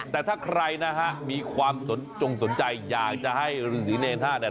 แต่ถ้าใครนะครับมีความจงสนใจจะให้ฤาษศีในภาคแทนนี้